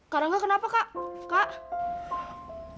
kak rangga kenapa kak kak